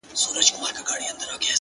لکه ماسوم بې موره!